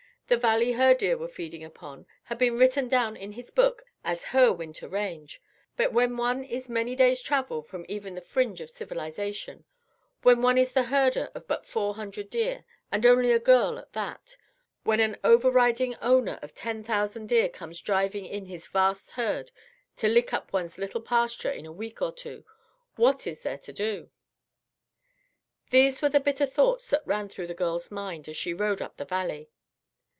The valley her deer were feeding upon had been written down in his book as her winter range; but when one is many days' travel from even the fringe of civilization, when one is the herder of but four hundred deer, and only a girl at that, when an overriding owner of ten thousand deer comes driving in his vast herd to lick up one's little pasture in a week or two, what is there to do? These were the bitter thoughts that ran through the girl's mind as she rode up the valley.